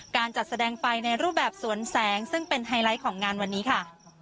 การจัดแสดงไปในรูปแบบสวนแสงซึ่งเป็นไฮไลท์ของงานวันนี้ค่ะ